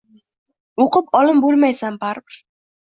Oʻqib olim boʻlmaysan, baribir